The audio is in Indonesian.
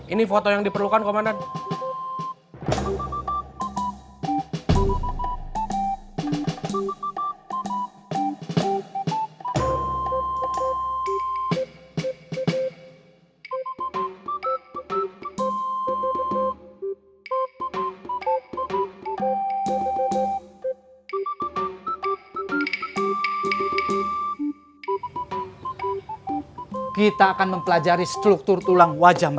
ini foto yang diperlukan komandan